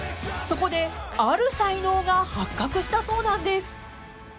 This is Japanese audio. ［そこである才能が発覚したそうなんです］